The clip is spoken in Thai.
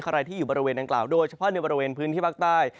ใครที่อยู่บริเวณดังกล่าวโดยเฉพาะในบริเวณพื้นที่ภาคใต้